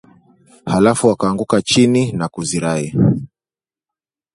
halafu akaanguka chini na kuzirai